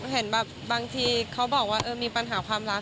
เห็นแบบบางทีเขาบอกว่ามีปัญหาความรัก